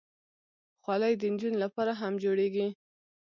خولۍ د نجونو لپاره هم جوړېږي.